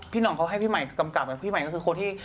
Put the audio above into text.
ที่จะเป็นข่าวก่อน